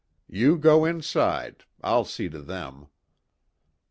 "You go inside. I'll see to them."